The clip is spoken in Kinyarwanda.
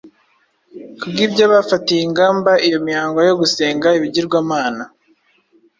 Kubw’ibyo bafatiye ingamba iyo mihango yo gusenga ibigirwamana.